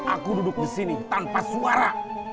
aku duduk di sini tanpa suara